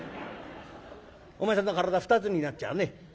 お前さんの体２つになっちゃうね」。